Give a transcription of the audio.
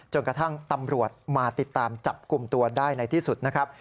จนกระทั่งตำรวจมาติดตามจับกลุ่มตัวได้ในที่สุดนะครับ